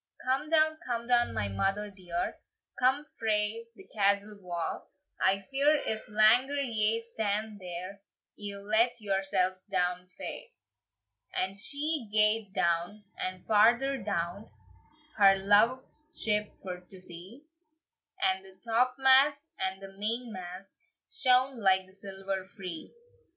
"Come down, come down, my mother dear, Come frae the castle wa! I fear, if langer ye stand there, Ye'll let yoursell down fa." And she gaed down, and farther down, Her love's ship for to see, And the topmast and the mainmast Shone like the silver free.